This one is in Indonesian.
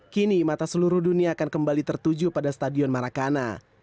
kini mata seluruh dunia akan kembali tertuju pada stadion maracana